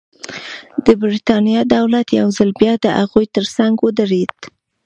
د برېټانیا دولت یو ځل بیا د هغوی ترڅنګ ودرېد.